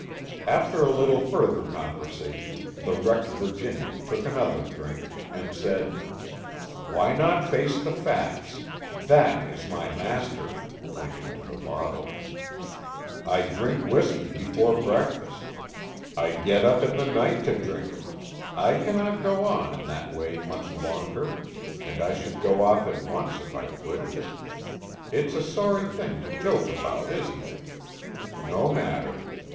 After a little further conversation, the wrecked Virginian took another drink, and said: "Why not face the facts? That is my master" pointing to the bottle. "I drink whiskey before breakfast; I get up in the night to drink it. I cannot go on in that way much longer, and I should go off at once if I quitted it. It's a sorry thing to joke about, isn't it? No matter.